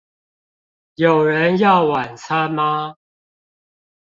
有人要晚餐嗎